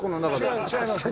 違います。